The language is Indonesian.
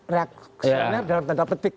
reaksinya dalam tanda petik